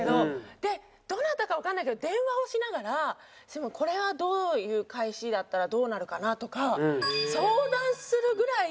でどなたかわかんないけど電話をしながら「これはどういう返しだったらどうなるかな」とか相談するぐらい。